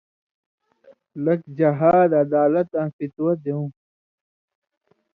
لَک: جہاد، عدالت آں فتوہ دیوں۔